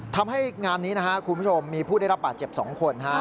ทำให้งานนี้นะครับคุณผู้ชมมีผู้ได้รับบาดเจ็บ๒คน